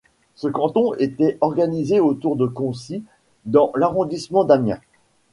Ce canton était organisé autour de Conty dans l'arrondissement d'Amiens.